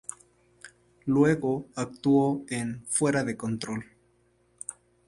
Luego, actuó en "Fuera de control".